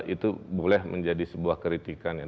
itu boleh menjadi sebuah kritikannya